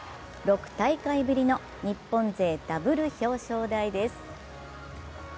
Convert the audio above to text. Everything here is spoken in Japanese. ６大会ぶりの日本勢ダブル表彰台です。